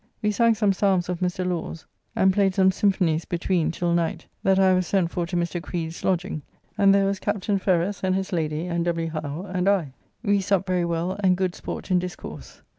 We sang some Psalms of Mr. Lawes, and played some symphonys between till night, that I was sent for to Mr. Creed's lodging, and there was Captain Ferrers and his lady and W. Howe and I; we supped very well and good sport in discourse.